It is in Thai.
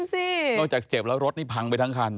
นอกจากเจ็บแล้วรถนี่พังไปทั้งคัน